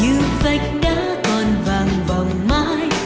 như vạch đá còn vàng vòng mai